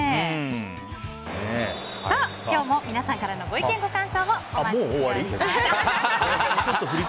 今日も皆さんからのご意見、ご感想をもう終わり？